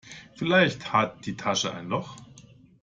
Vielleicht hat die Tasche ein Loch.